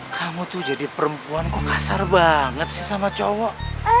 kamu tuh jadi perempuan kok kasar banget sih sama cowok